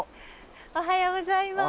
おはようございます。